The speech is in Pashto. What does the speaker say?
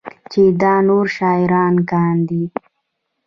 چې دا نور شاعران کاندي